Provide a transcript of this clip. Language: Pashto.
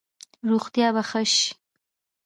روغتیا به ښه شي؟